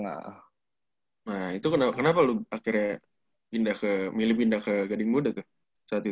nah itu kenapa lu akhirnya milih pindah ke gading muda tuh saat itu